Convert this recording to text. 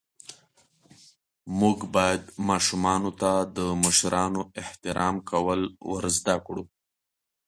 موږ باید ماشومانو ته د مشرانو احترام کول ور زده ڪړو.